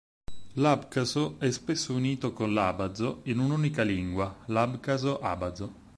L'abcaso è spesso unito con l'abazo in un'unica lingua, Abcaso-Abazo.